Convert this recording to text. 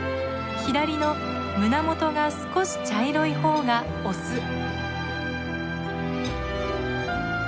左の胸元が少し茶色い方がオス。